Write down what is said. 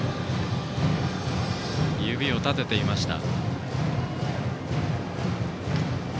指を立てていました。